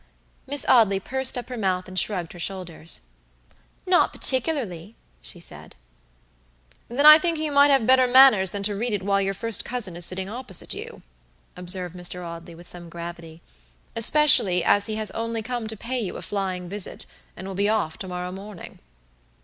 Miss Audley pursed up her mouth and shrugged her shoulders. "Not particularly," she said. "Then I think you might have better manners than to read it while your first cousin is sitting opposite you," observed Mr. Audley, with some gravity, "especially as he has only come to pay you a flying visit, and will be off to morrow morning."